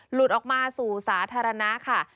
หลุดออกมาสู่สาธารณะค่ะ